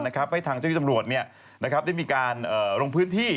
ให้ทางเจ้าที่ตำรวจได้มีการลงพื้นที่